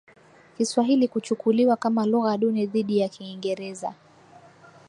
kiswahili kuchukuliwa kama lugha duni dhidi ya kiingereza